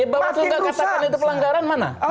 bawaslu tidak katakan itu pelanggaran mana